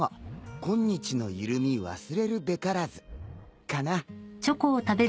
今日の緩み忘れるべからずかな。